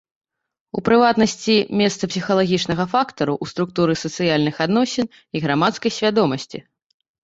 У прыватнасці, месца псіхалагічнага фактару ў структуры сацыяльных адносін і грамадскай свядомасці.